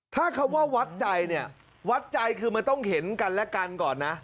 ถ้าคำว่าวัดใจเนี่ยวัดใจคือมันต้องเห็นกันและกันก่อนนะ